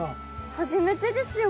初めてですよ